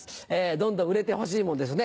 どんどん売れてほしいもんですね